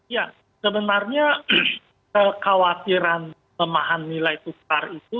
ya sebenarnya kekhawatiran pelemahan nilai tukar itu